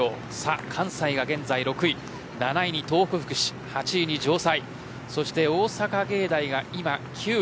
関西が現在６位７位に東北福祉、８位に城西大阪芸大が今９位。